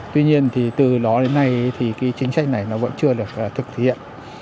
tuy nhiên thì từ đó đến nay thì cái chính sách này nó vẫn chưa được thực hiện